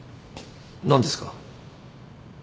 何ですか？